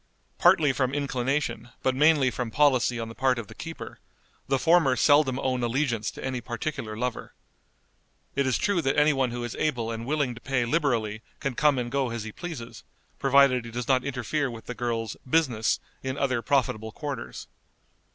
Partly from inclination, but mainly from policy on the part of the keeper, the former seldom own allegiance to any particular lover. It is true that any one who is able and willing to pay liberally can come and go as he pleases, provided he does not interfere with the girl's "business" in other profitable quarters.